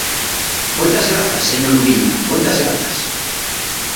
Moitas grazas, señor Ubiña, moitas grazas.